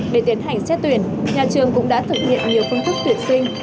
để tiến hành xét tuyển nhà trường cũng đã thực hiện nhiều phương thức tuyển sinh